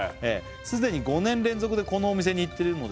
「既に５年連続でこのお店に行っているのですが」